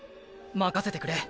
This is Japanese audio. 任せてくれ。